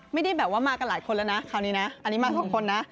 ไม่ได้แบบว่ามากันหลายคนแล้วนะคราวนี้นะอันนี้มาสองคนนะ